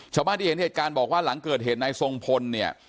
ชาวบ้านที่เห็นเหตุการณ์บอกว่าหลังเกิดเหตุนายทรงพลเนี่ย